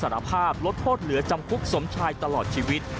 สารภาพลดโทษเหลือจำคุกสมชายตลอดชีวิต